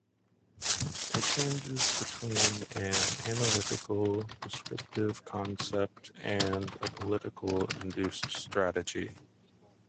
It changes between an analytical, descriptive concept and a political induced strategy.